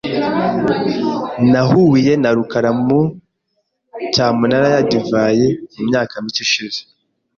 Nahuye na rukara muri cyamunara ya divayi mumyaka mike ishize .